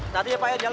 tadi ya pak jalan pak